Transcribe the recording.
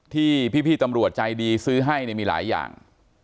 ที่พี่ตำรวจใจดีซื้อให้มีหลายอย่าง